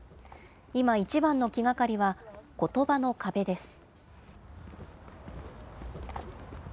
今、一番の気がかりはことばの壁です。